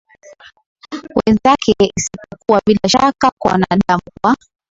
wenzake isipokuwa bila shaka kwa wanadamu Kwa